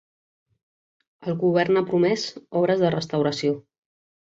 El govern ha promès obres de restauració.